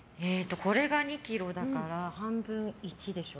これが２ｋｇだから半分、１でしょ。